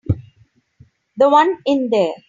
The one in there.